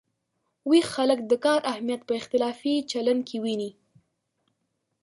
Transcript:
ویښ خلک د کار اهمیت په اختلافي چلن کې ویني.